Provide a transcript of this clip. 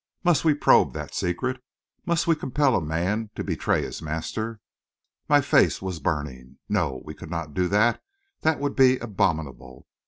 Must we probe that secret? Must we compel a man to betray his master? My face was burning. No, we could not do that that would be abominable....